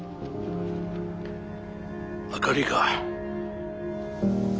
あかりか？